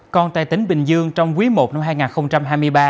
còn tại tỉnh bình dương trong quý i năm hai nghìn hai mươi ba